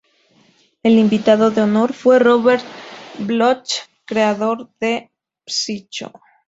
El invitado de honor fue Robert Bloch creador de "Psycho".